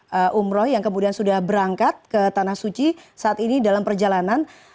jemaah umroh yang kemudian sudah berangkat ke tanah suci saat ini dalam perjalanan